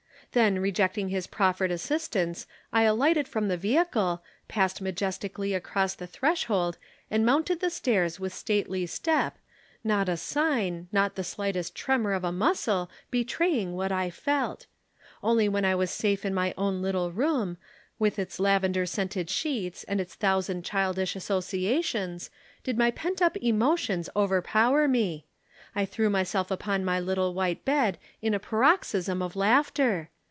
Then, rejecting his proffered assistance, I alighted from the vehicle, passed majestically across the threshold and mounted the stairs with stately step, not a sign, not the slightest tremor of a muscle betraying what I felt. Only when I was safe in my own little room, with its lavender scented sheets and its thousand childish associations did my pent up emotions overpower me. I threw myself upon my little white bed in a paroxysm of laughter.